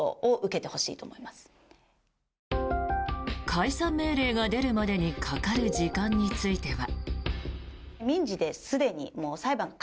解散命令が出るまでにかかる時間については。